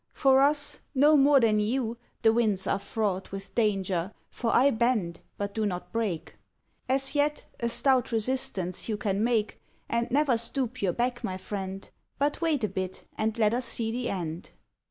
For us, no more than you, the winds are fraught With danger, for I bend, but do not break. As yet, a stout resistance you can make, And never stoop your back, my friend; But wait a bit, and let us see the end."